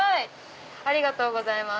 ありがとうございます。